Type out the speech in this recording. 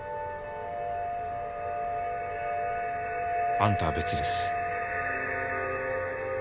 あんたは別です。